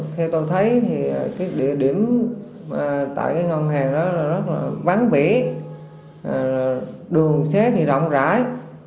theo tôi thấy địa điểm tại ngân hàng đó rất là vắng vỉ đường xé thì rộng rãi